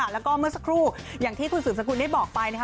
และเมื่อสักครู่อย่างที่คุณสูตรสักครู่ได้บอกไป